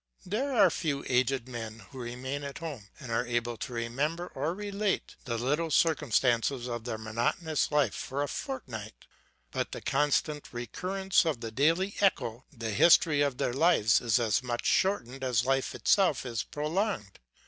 There are few aged men who remain at home, and are able to remember or relate the little circumstances of their monotonous life for a fortnight ; by the constant recurrence of the daily echo, the history of their lives is as much shortened as life itself is pro longed.